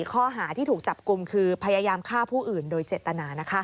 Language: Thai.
ข้อหาที่ถูกจับกลุ่มคือพยายามฆ่าผู้อื่นโดยเจตนา